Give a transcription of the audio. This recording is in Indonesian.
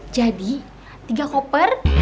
jadi tiga koper